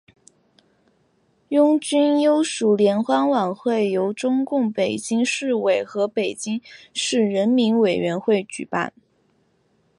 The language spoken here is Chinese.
拥军优属联欢晚会由中共北京市委和北京市人民委员会举办。